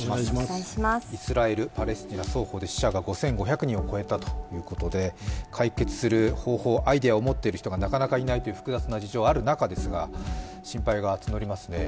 イスラエル、パレスチナ双方で死者が５５００人を超えたということで解決する方法、アイデアを持っている人がなかなかいないという複雑な事情ある中ですが、心配が募りますね。